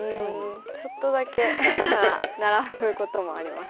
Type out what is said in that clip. ちょっとだけなら並ぶこともあります。